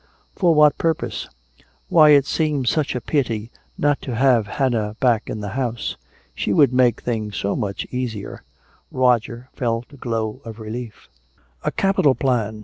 "For what purpose?" "Why, it seems such a pity not to have Hannah back in the house. She would make things so much easier." Roger felt a glow of relief. "A capital plan!"